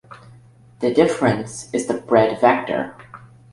This difference is the bred vector.